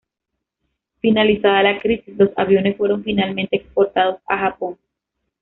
Finalizada la crisis los aviones fueron finalmente exportados a Japón.